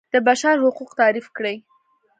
د بشر حقونه تعریف کړي.